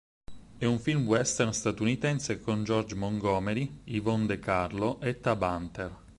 È un film western statunitense con George Montgomery, Yvonne De Carlo e Tab Hunter.